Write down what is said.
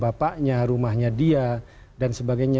bapaknya rumahnya dia dan sebagainya